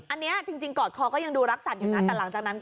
อันนี้จริงกอดคอก็ยังดูรักสัตว์อย่างนั้น